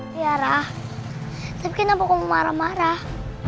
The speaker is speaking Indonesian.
tiara tapi kenapa kamu marah marah